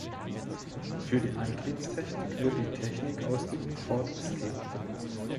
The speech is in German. Für die Antriebstechnik wird die Technik aus dem Ford Escape genutzt.